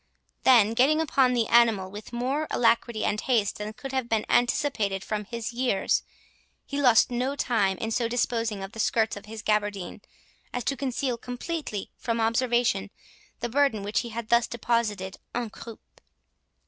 Then getting upon the animal with more alacrity and haste than could have been anticipated from his years, he lost no time in so disposing of the skirts of his gabardine as to conceal completely from observation the burden which he had thus deposited "en croupe".